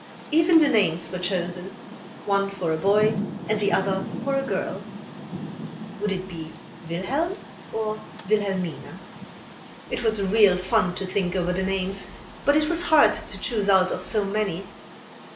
Even the names were chosen one for a boy and the other for a girl. Would it be Wilhelm or Wilhelmina? It was real fun to think over the names, but it was hard to choose out of so many.